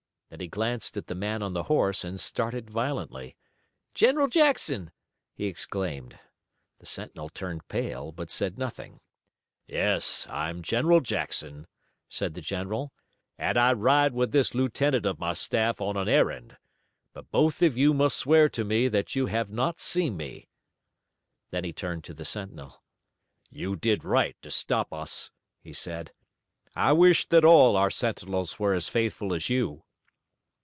Then he glanced at the man on the horse and started violently. "General Jackson!" he exclaimed. The sentinel turned pale, but said nothing. "Yes, I'm General Jackson," said the general, "and I ride with this lieutenant of my staff on an errand. But both of you must swear to me that you have not seen me." Then he turned to the sentinel. "You did right to stop us," he said. "I wish that all our sentinels were as faithful as you."